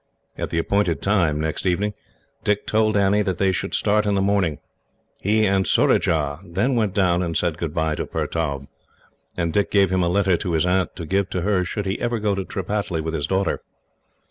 At the appointed time, next evening, Dick told Annie that they should start in the morning. He and Surajah then went down and said goodbye to Pertaub, and Dick gave him a letter to his aunt, to give to her should he ever go to Tripataly with his daughter.